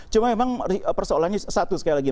cuma memang persoalannya satu sekali lagi